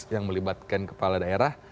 yang melibatkan kepala daerah